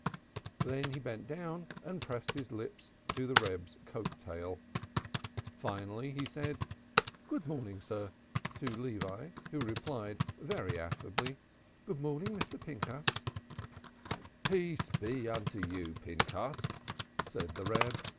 Next he bent down and pressed his lips to the Reb's coat tail. Finally he said: "Good morning, sir," to Levi, who replied very affably, "Good morning, Mr. Pinchas," "Peace be unto you, Pinchas," said the Reb.